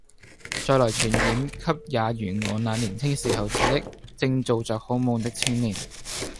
再來傳染給也如我那年青時候似的正做著好夢的青年。